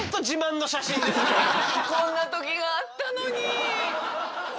こんな時があったのに。